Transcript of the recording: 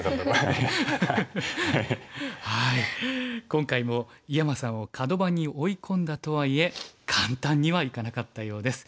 今回も井山さんをカド番に追い込んだとはいえ簡単にはいかなかったようです。